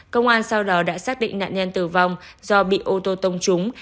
công an sau đó đã xác định nạn nhân tử vong do bị ô tô tông trúng